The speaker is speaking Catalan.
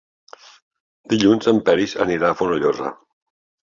Dilluns en Peris anirà a Fonollosa.